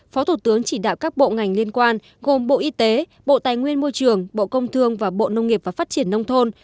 phó thủ tướng chỉ đạo các bộ ngành liên quan gồm bộ y tế bộ tài nguyên môi trường bộ công thương và bộ nông nghiệp và phát triển nông thôn